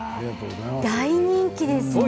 大人気ですね。